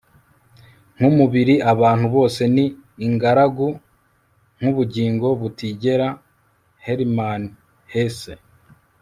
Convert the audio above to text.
nkumubiri abantu bose ni ingaragu, nkubugingo butigera - hermann hesse